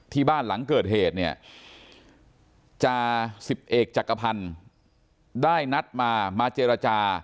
ที่บ้านหลังเกิดเหตุเนี่ยจาสิบเอกจักรพันธ์ได้นัดมามาเจรจา